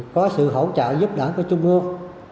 có sự hỗ trợ giúp đỡ của trung quốc